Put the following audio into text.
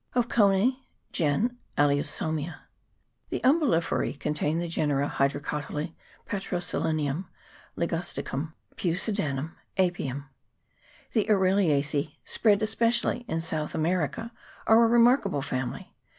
Of Conece gen. Alseuosmia. The UmbellifercE contain the genera Hydrocotyle, Petro selinum, Ligusticum, Peucedanurn, Apium. The Araliacece, spread especially in South America, are a remarkable family.